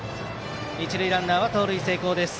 一塁ランナーは盗塁成功。